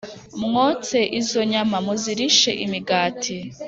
Mwotse izo nyama muzirishe imigati